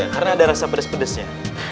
karena ada rasa pedes pedesnya